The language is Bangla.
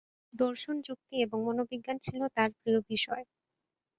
দর্শন, যুক্তি এবং মনোবিজ্ঞান ছিল তাঁর প্রিয় বিষয়।